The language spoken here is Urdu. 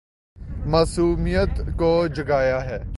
معصومیت کو جگایا ہے